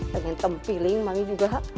pengen tempiling mami juga